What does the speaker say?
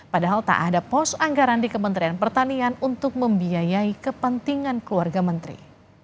padahal tak ada pos anggaran di kementerian pertanian untuk membiayai kepentingan keluarga menteri